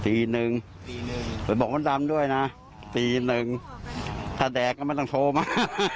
สี่หนึ่งสี่หนึ่งไปบอกมันดำด้วยน่ะสี่หนึ่งถ้าแดกก็ไม่ต้องโทรมา